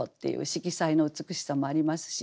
色彩の美しさもありますし。